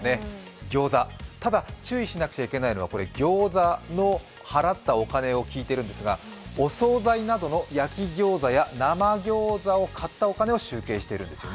ギョーザ、ただ、注意しなくてはいけないのはギョーザの払ったお金を聞いているんですが、お総菜などの焼きギョーザや生ギョーザを集計しているんですよね。